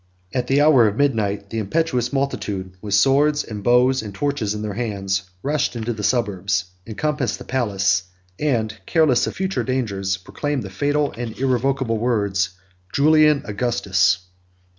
At the hour of midnight, the impetuous multitude, with swords, and bows, and torches in their hands, rushed into the suburbs; encompassed the palace; 7 and, careless of future dangers, pronounced the fatal and irrevocable words, Julian Augustus!